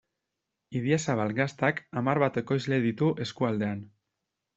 Idiazabal Gaztak hamar bat ekoizle ditu eskualdean.